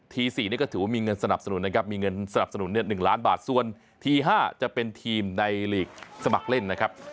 ที๔ก็ถือว่ามีเงินสนับสนุน๑ล้านบาทส่วนที๕จะเป็นทีมในหลีกสมัครเล่น